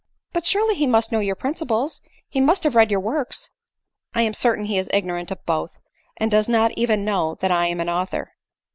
" But surely he must know your principles ; he must have read your works ?" "I am certain he is ignorant of both, and does not even know that I am an author."